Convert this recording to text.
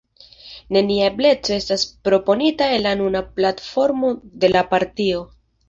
Nenia ebleco estas proponita en la nuna platformo de la partio.